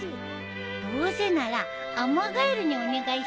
どうせならアマガエルにお願いしたいよね。